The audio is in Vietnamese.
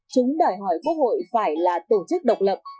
chúng đòi hỏi quốc hội phải là tổ chức độc lập